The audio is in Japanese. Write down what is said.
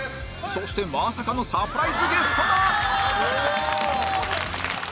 そしてまさかのサプライズゲストが！